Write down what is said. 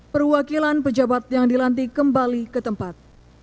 perwakilan pejabat yang dilantik kembali ke tempat